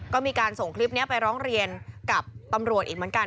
ก็มีการส่งคลิปนี้ไปร้องเรียนกับตำรวจอีกเหมือนกัน